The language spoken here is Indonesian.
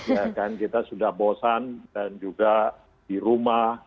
ya kan kita sudah bosan dan juga di rumah